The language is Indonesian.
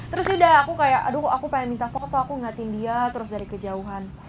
terus udah aku kayak aduh kok aku pengen minta foto aku ngeliatin dia terus dari kejauhan